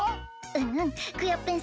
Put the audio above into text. うんうんクヨッペン